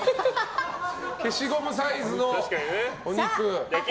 消しゴムサイズのお肉。